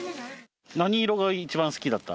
何色が一番好きだった？